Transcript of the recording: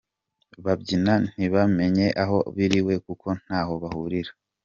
Ba nyina ntibamenya aho biriwe kuko ntaho bahurira.